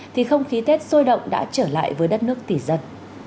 thì không khí tết sôi động đã trở lại với đất nước tỉ dật